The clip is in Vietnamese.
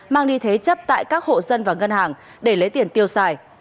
mang đi thế chấp tại các hộ dân và các nạn nhân